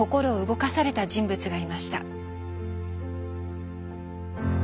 動かされた人物がいました。